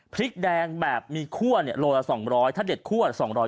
พริกแดงแบบมีคั่วโลละ๒๐๐ถ้าเด็ดคั่ว๒๐๐